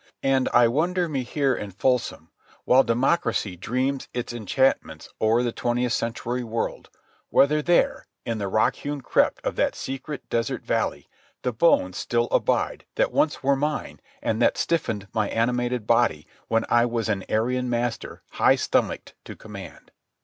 ... And I wonder me here in Folsom, while democracy dreams its enchantments o'er the twentieth century world, whether there, in the rock hewn crypt of that secret, desert valley, the bones still abide that once were mine and that stiffened my animated body when I was an Aryan master high stomached to command.